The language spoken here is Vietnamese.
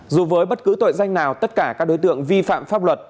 dù với bất cứ tội danh nào tất cả các đối tượng vi phạm pháp luật